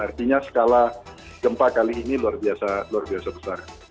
artinya skala gempa kali ini luar biasa besar